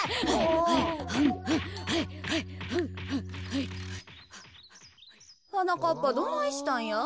はなかっぱどないしたんや？